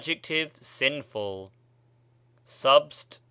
sinful, subst.